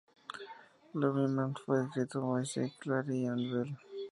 Loving Man fue escrito por Vince Clarke y Andy Bell.